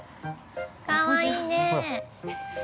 ◆かわいいね。